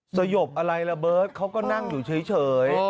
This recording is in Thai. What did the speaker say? สยบอะไรระเบิดเขาก็นั่งอยู่เฉย